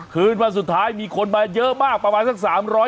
เสื้อผาง